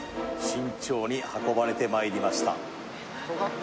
慎重に運ばれてまいりました